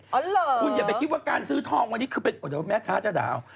คุณอย่าไปคิดว่าการซื้อทองวันนี้คือเป็นเดี๋ยวแม่ค้าจะด่า